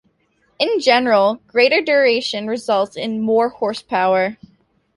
In general, greater duration results in more horsepower.